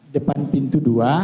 depan pintu dua